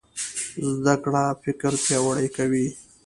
زده کړه فکر پیاوړی کوي.